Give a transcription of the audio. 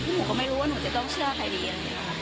หนูก็ไม่รู้ว่าหนูจะต้องเชื่อใครดี